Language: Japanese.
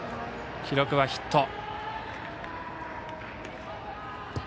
記録はヒット。